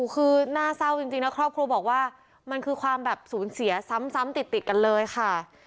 คือน่าเศร้าจริงนะครอบครัวบอกว่ามันคือความแบบสูญเสียซ้ำติดกันเลยค่ะ